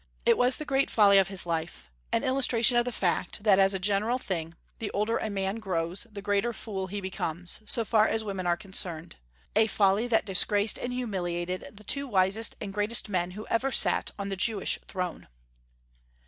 It was the great folly of his life; an illustration of the fact that, as a general thing, the older a man grows the greater fool he becomes, so far as women are concerned; a folly that disgraced and humiliated the two wisest and greatest men who ever sat on the Jewish throne.